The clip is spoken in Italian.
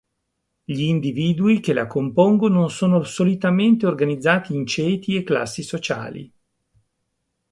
Gli individui che la compongono sono solitamente organizzati in ceti e classi sociali.